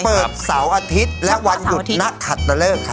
เปิดเสาร์อาทิตย์และวันหยุดนักขัดตะเลิกค่ะ